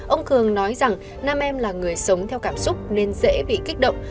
ông cường nói rằng nam em là người sống theo cảm xúc nên dễ bị kích động